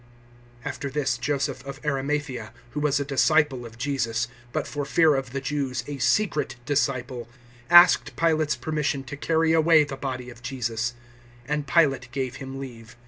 019:038 After this, Joseph of Arimathaea, who was a disciple of Jesus, but for fear of the Jews a secret disciple, asked Pilate's permission to carry away the body of Jesus; and Pilate gave him leave.